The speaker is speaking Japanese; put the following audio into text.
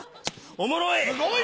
おもろい！